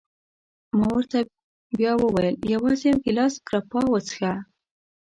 ما ورته بیا وویل: یوازي یو ګیلاس ګراپا وڅېښه.